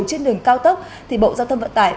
trên đường cao tốc thì bộ giao thông vận tải